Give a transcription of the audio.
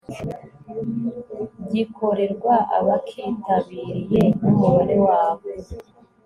gikorerwa abakitabiriye n umubare wabo